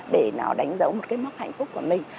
để nào đánh dấu một cái mốc hạnh phúc của mình